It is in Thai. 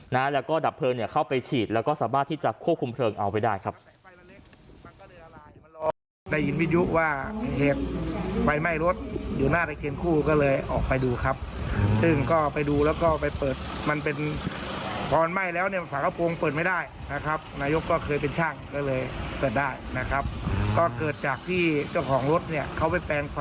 แล้วก็ดับเพลิงเนี่ยเข้าไปฉีดแล้วก็สามารถที่จะควบคุมเพลิงเอาไว้ได้ครับ